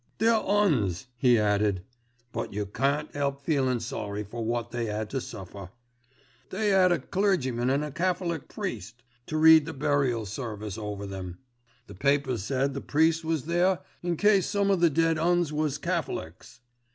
They're 'Uns," he added; "but you can't 'elp feelin' sorry for wot they 'ad to suffer. They 'ad a clergyman an' a Catholic priest, to read the burial service over them. The papers said the priest was there in case some of the dead 'Uns was Catholics.